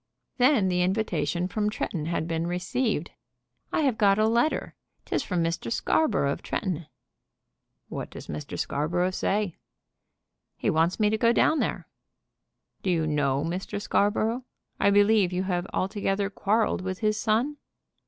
Then the invitation from Tretton had been received. "I have got a letter; 'tis from Mr. Scarborough of Tretton." "What does Mr. Scarborough say?" "He wants me to go down there." "Do you know Mr. Scarborough? I believe you have altogether quarrelled with his son?"